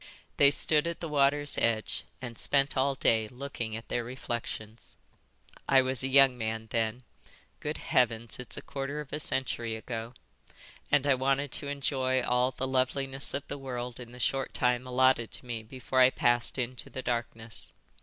They stood at the water's edge and spent all day looking at their reflections. I was a young man then—Good Heavens, it's a quarter of a century ago—and I wanted to enjoy all the loveliness of the world in the short time allotted to me before I passed into the darkness.